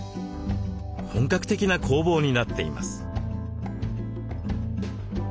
本格的な工房になっています。